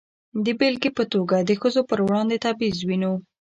د بېلګې په توګه د ښځو پر وړاندې تبعیض وینو.